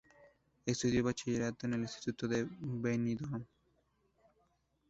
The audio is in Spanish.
Estudió Bachillerato en el Instituto de Benidorm.